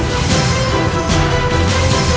kisah kisah seluruh maswars